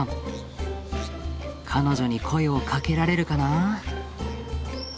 彼女に声をかけられるかな？